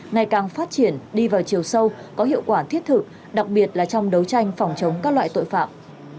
ngày càng phát triển đi vào chiều sâu có hiệu quả thiết thực đặc biệt là trong đấu tranh phòng chống các loại tội phạm